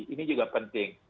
ini juga penting